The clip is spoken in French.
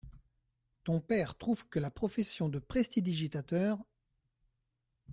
Ton père trouve que la profession de prestidigitateur…